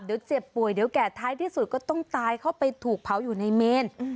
เดี๋ยวเจ็บป่วยเดี๋ยวแก่ท้ายที่สุดก็ต้องตายเข้าไปถูกเผาอยู่ในเมน